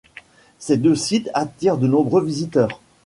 Les deux sites attirent de nombreux visiteurs.